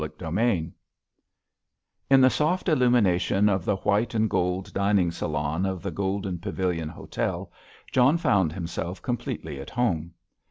CHAPTER XIX In the soft illumination of the white and gold dining salon of the Golden Pavilion Hotel John found himself completely at home.